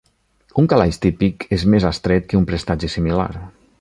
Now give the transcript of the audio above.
Un calaix típic és més estret que un prestatge similar.